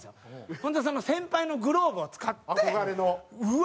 ほんでその先輩のグローブを使ってうわ